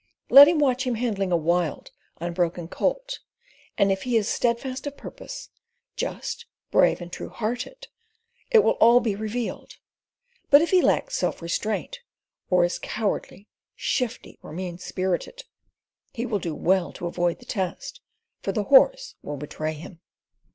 Let him watch him handling a wild, unbroken colt, and if he is steadfast of purpose, just, brave, and true hearted, it will all be revealed; but if he lacks self restraint, or is cowardly, shifty, or mean spirited, he will do well to avoid the test, for the horse will betray him.